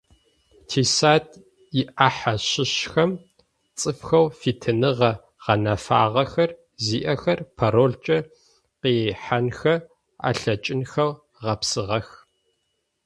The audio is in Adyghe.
Тисайт иӏахьэ щыщхэм цӏыфхэу фитыныгъэ гъэнэфагъэхэр зиӏэхэр паролкӏэ къихьэнхэ алъэкӏынхэу гъэпсыгъэх.